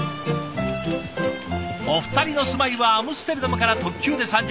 お二人の住まいはアムステルダムから特急で３０分。